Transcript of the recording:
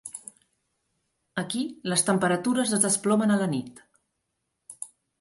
Aquí, les temperatures es desplomen a la nit.